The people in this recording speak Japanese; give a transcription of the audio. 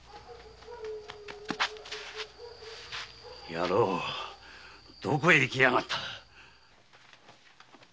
野郎どこへ行きやがった？